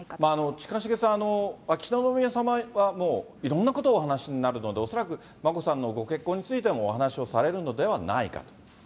近重さん、秋篠宮さまはもういろんなことをお話しになるので、恐らく、眞子さんのご結婚についてもお話をされるのではないかと。